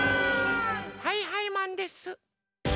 はいはいマンです！